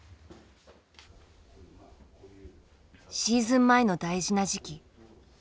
シーズン前の大事な時期。